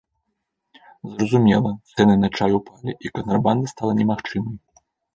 Зразумела, цэны на чай упалі, і кантрабанда стала немагчымай.